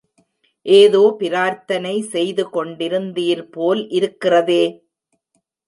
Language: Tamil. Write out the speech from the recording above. ஏதோ பிரார்த்தனை செய்து கொண்டிருந்தீர் போல் இருக்கிறதே!